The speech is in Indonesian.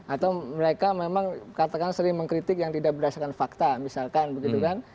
atau mereka memang katakan sering mengkritik yang tidak berdasarkan fakta misalkan begitu kan